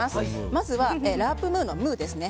まずはラープ・ムーのムーですね